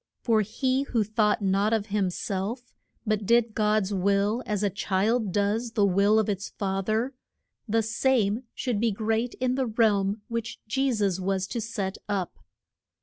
For he who thought not of him self, but did God's will as a child does the will of its fa ther, the same should be great in the realm which Je sus was to set up.